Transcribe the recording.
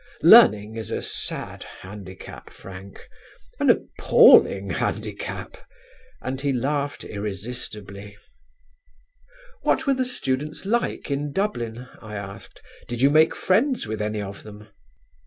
Learning is a sad handicap, Frank, an appalling handicap," and he laughed irresistibly. "What were the students like in Dublin?" I asked. "Did you make friends with any of them?"